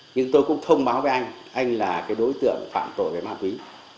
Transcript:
nhưng tôi cũng thông báo với anh anh là đối tượng phạm tội với ma túy